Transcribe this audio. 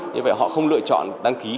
như vậy họ không lựa chọn đăng ký